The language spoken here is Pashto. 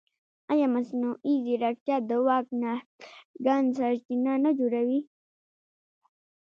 ایا مصنوعي ځیرکتیا د واک ناڅرګند سرچینه نه جوړوي؟